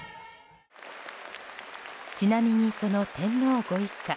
ちなみに、その天皇ご一家